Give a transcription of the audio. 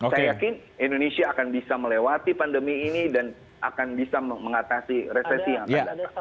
saya yakin indonesia akan bisa melewati pandemi ini dan akan bisa mengatasi resesi yang akan datang